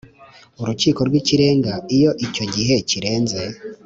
Urukiko rw Ikirenga Iyo icyo gihe kirenze